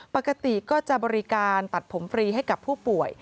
ปกติก็จะบริการตัดผมฟรีให้กับผู้ป่วย